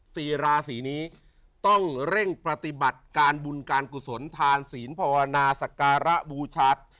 สี่ราศีนี้ต้องเร่งปฏิบัติการบุญการกุศลทานศีลภาวนาศักระบูชา